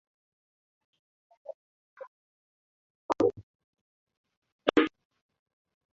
Kushirikiana bila kuwepo ushindani wa kauli au vitendo vya kukwazana